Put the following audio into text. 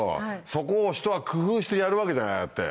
そこを人は工夫してやるわけじゃないああやって。